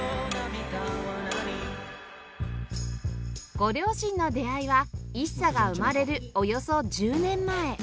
ご両親の出会いは ＩＳＳＡ が生まれるおよそ１０年前